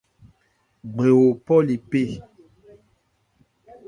Gbrewo phɔ̂ le phé.